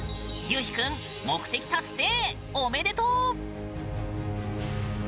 ゆうひ君、目的達成おめでとう！